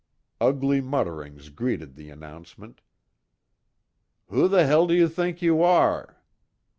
Ugly mutterings greeted the announcement. "Who the hell do you think you are?"